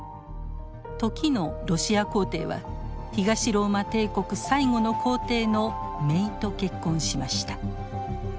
時のロシア皇帝は東ローマ帝国最後の皇帝のめいと結婚しました。